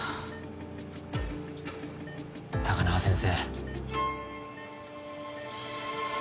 高輪先生